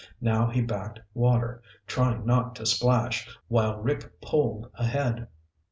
Now he backed water, trying not to splash, while Rick poled ahead.